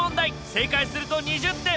正解すると２０点。